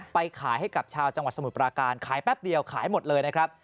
ไปขายให้กับชาวจังหวัดสมุทรปราการขายแป๊บเดียวขายหมดเลยนะครับ